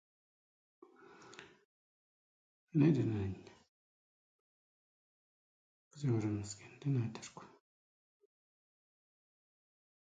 He also wrote on the ethnology of the Selungs of the Mergui archipelago.